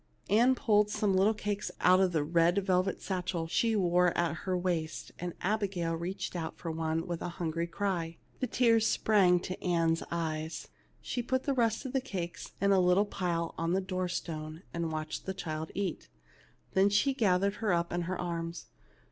Ann pulled some little cakes out of a red velvet satchel she wore at her waist, and Abigail reached out for one with a hungry cry. The tears sprang to Ann's eyes ; she put the rest of the cakes in a little pile on the door stone, and watched the child eat. Then she gathered her up in her arms.